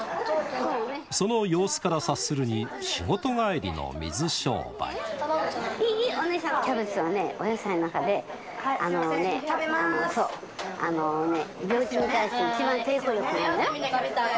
その様子から察するに、キャベツはね、お野菜の中で、あのね、病気に対して一番抵抗力があるのよ。